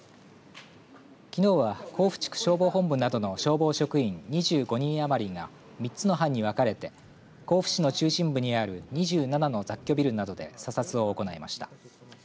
きのうは甲府地区消防本部などの消防職員２５人余りが３つの班に分かれて甲府市の中心部にある２７の雑居ビルなどで査察を行いました。